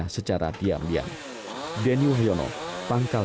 dan menjaga kemampuan pemerintah di kawasan hutan